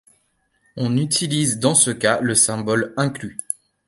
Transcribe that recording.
On utilise dans ce cas le symbole ⊨.